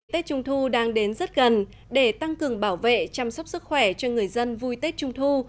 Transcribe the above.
tết trung thu đang đến rất gần để tăng cường bảo vệ chăm sóc sức khỏe cho người dân vui tết trung thu